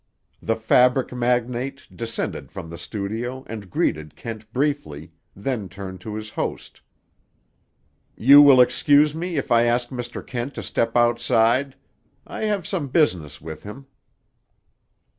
The fabric magnate descended from the studio and greeted Kent briefly, then turned to his host. "You will excuse me if I ask Mr. Kent to step outside. I have some business with him."